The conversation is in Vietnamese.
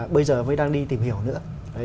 bây giờ mới đang đi tìm hiểu nữa